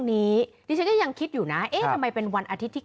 นี้ดิฉันก็ยังคิดอยู่นะเอ๊ะทำไมเป็นวันอาทิตย์ที่